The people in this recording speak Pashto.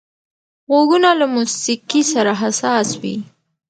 غوږونه له موسيقي سره حساس وي